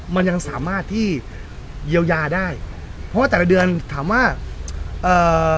มันยังสามารถที่เยียวยาได้เพราะว่าแต่ละเดือนถามว่าเอ่อ